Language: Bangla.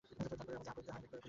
তার পরে আর যাহা করিতে হয় করিব।